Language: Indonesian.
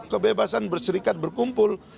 kebebasan berserikat berkumpul